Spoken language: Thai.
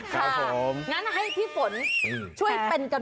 ครับผม